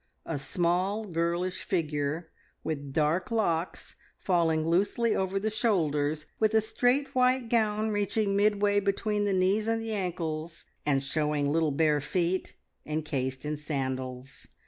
A small, girlish figure with dark locks falling loosely over the shoulders, with a straight white gown reaching midway between the knees and the ankles, and showing little bare feet encased in sandals.